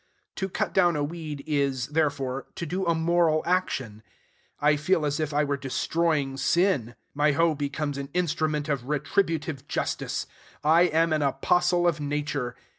To cut down a weed is, therefore, to do a moral action. I feel as if I were destroying sin. My hoe becomes an instrument of retributive justice. I am an apostle of Nature.